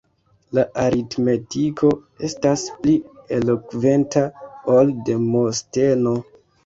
La aritmetiko estas pli elokventa ol Demosteno!